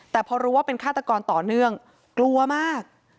แต่พอรู้ว่าเป็นฆาตกรต่อเนื่องกลัวมาก